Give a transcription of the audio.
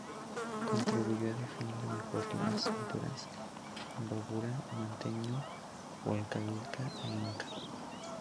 Contribuyó a definir mejor las culturas: Imbabura, Manteño-Huancavilca e Inca.